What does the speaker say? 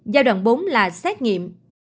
giai đoạn bốn là xét nghiệm